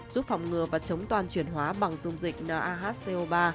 giúp phòng ngừa và chống toàn chuyển hóa bằng dung dịch nahco ba